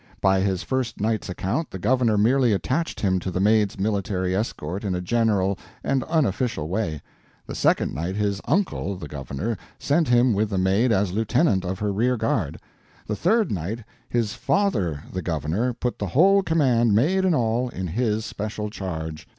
By his first night's account the governor merely attached him to the Maid's military escort in a general and unofficial way; the second night his uncle the governor sent him with the Maid as lieutenant of her rear guard; the third night his father the governor put the whole command, Maid and all, in his special charge.